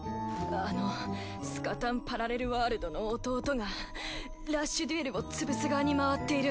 あのスカタンパラレルワールドの弟がラッシュデュエルを潰す側に回っている。